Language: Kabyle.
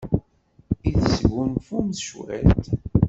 I tesgunfumt cwiṭ?